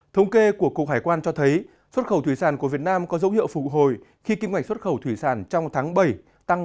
thống kê của cục hải quan cho thấy xuất khẩu thủy sản của việt nam có dấu hiệu phục hồi khi kim ngạch xuất khẩu thủy sản trong tháng bảy tăng